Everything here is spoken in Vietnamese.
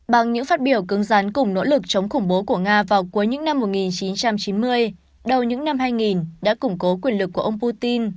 bằng những phát biểu cứng rán cùng nỗ lực chống khủng bố của nga vào cuối những năm một nghìn chín trăm chín mươi đầu những năm hai nghìn đã củng cố quyền lực của ông putin